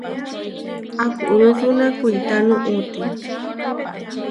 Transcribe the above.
Akurúsuna kuitá nuʼúti.